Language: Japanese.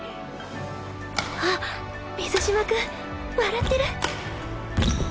あっ水嶋君笑ってる！